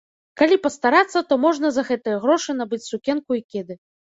Калі пастарацца, то можна за гэтыя грошы набыць сукенку і кеды.